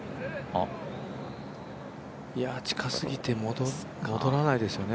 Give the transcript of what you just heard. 近すぎて戻らないですよね